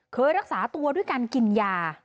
เคยรักษาตัวด้วยการกินยา